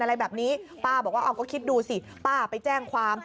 อะไรแบบนี้ป้าบอกว่าเอาก็คิดดูสิป้าไปแจ้งความ